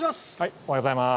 おはようございます。